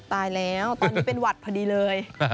ตายแล้วตอนนี้เป็นหวัดพอดีเลย